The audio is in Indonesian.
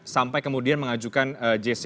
sampai kemudian mengajukan jc